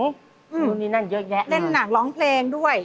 รู้นี่นั่นเยอะแยะนะครับเล่นนังร้องเพลงด้วย